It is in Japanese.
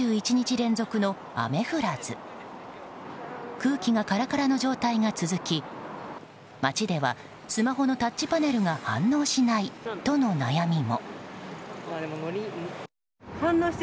空気がカラカラの状態が続き街ではスマホのタッチパネルが反応しないとの悩みも。